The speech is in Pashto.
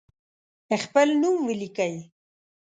خپل نوم ولیکئ.